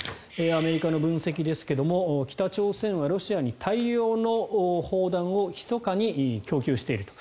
アメリカの分析ですが北朝鮮はロシアに大量の砲弾をひそかに供給していると。